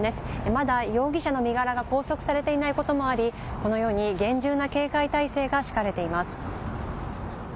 まだ容疑者の身柄が拘束されていないこともあり、このように厳重な警戒態勢が敷かれています。